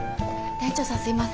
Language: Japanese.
店長さんすいません。